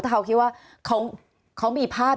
ถ้าเขาคิดว่าเขามีภาพ